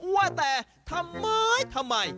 ว่าแต่ทำไมทำไม